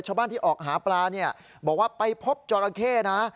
ชาวบ้านที่ออกหาปลาเนี่ยบอกว่าไปพบจราเข้นะ